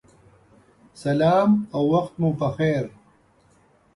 سلام او وخت مو پخیر